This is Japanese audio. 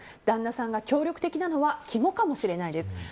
旦那さんが協力的なのは肝かもしれないです。